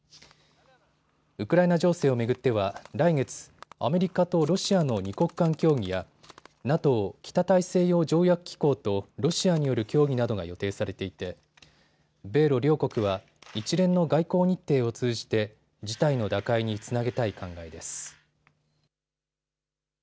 ウクライナ情勢を巡っては来月アメリカとロシアの２国間協議やＮＡＴＯ＝北太西洋条約機構とロシアによる協議などが予定されていて米ロ両国は一連の外交日程を通じて事態の打開につなげたい考えです。